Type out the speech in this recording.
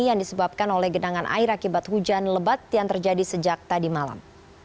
yang disebabkan oleh genangan air akibat hujan lebat yang terjadi sejak tadi malam